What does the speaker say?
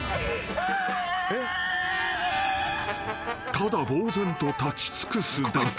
［ただぼう然と立ち尽くすだけ］